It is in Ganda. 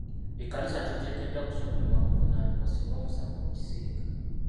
Ekkanisa teteekeddwa kusonyiyibwa kuvunaanibwa singa omusango gugisinga.